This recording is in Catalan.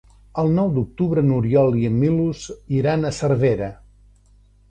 El nou d'octubre n'Oriol i en Milos iran a Cervera.